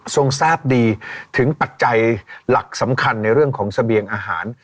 ทราบดีถึงปัจจัยหลักสำคัญในเรื่องของเสบียงอาหาร